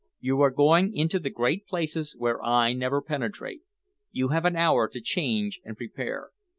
You are going into the great places where I never penetrate. You have an hour to change and prepare.